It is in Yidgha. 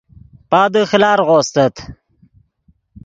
پادے خیلارغو استت